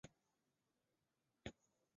它也是许多国家的人们的主要出行方式。